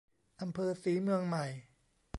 อำเภอศรีเมืองใหม่